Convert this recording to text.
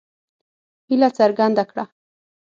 هیله څرګنده کړه.